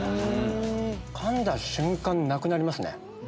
かんだ瞬間なくなりますね。